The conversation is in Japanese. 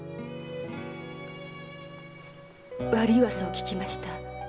悪い噂を聞きました。